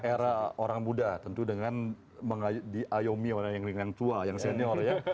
era orang muda tentu dengan diayomi orang yang dengan tua yang senior ya